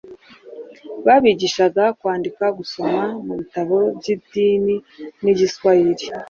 Babigishaga kwandika, gusoma mu bitabo by'idini n'igiswahili.